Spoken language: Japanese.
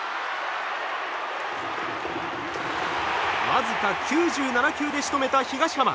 わずか９７球で仕留めた東浜。